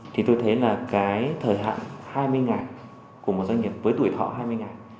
thì tôi thấy là cái thời hạn hai mươi ngày của một doanh nghiệp với tuổi thọ hai mươi ngày